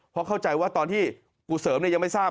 เพราะเข้าใจว่าตอนที่กูเสริมยังไม่ทราบ